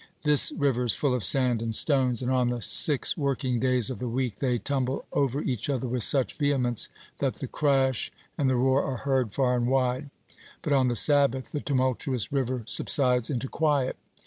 This river is full of sand and stones, and on the six working days of the week, they tumble over each other with such vehemence that the crash and the roar are heard far and wide. But on the Sabbath (56) the tumultuous river subsides into quiet.